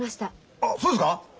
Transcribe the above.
あそうですか？